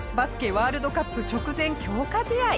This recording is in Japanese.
ワールドカップ直前強化試合。